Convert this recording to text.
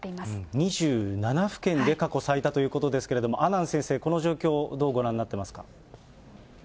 ２７府県で過去最多ということですけれども、阿南先生、この状況をどうご覧になってますか？